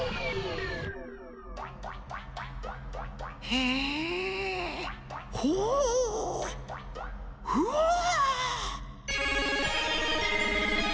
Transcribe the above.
へえほうふわあ。